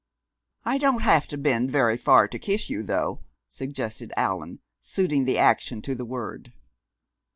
"I don't have to bend very far to kiss you, though," suggested Allan, suiting the action to the word.